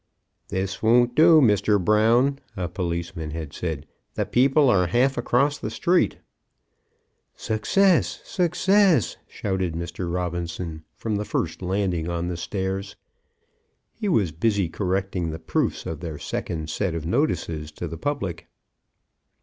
"This won't do, Mr. Brown," a policeman had said. "The people are half across the street." "Success! success!" shouted Mr. Robinson, from the first landing on the stairs. He was busy correcting the proofs of their second set of notices to the public.